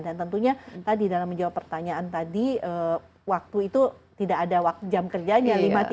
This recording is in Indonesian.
dan tentunya tadi dalam menjawab pertanyaan tadi waktu itu tidak ada jam kerjanya